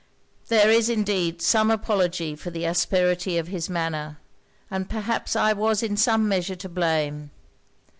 'There is, indeed, some apology for the asperity of his manner; and perhaps I was in some measure to blame.